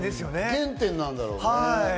原点なんだろうね。